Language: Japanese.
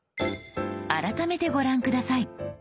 改めてご覧下さい。